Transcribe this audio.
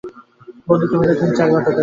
বন্দুকের ভেতর তিন, চারবার ঢোকাবে।